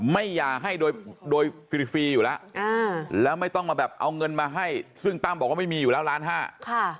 หย่าให้โดยโดยฟรีฟรีอยู่แล้วแล้วไม่ต้องมาแบบเอาเงินมาให้ซึ่งตั้มบอกว่าไม่มีอยู่แล้วล้านห้าค่ะ